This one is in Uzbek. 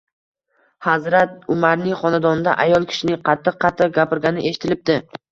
Hazrat Umarning xonadonida ayol kishining qattiq-qattiq gapirgani eshitilibdi.